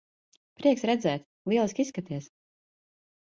Prieks redzēt. Lieliski izskaties.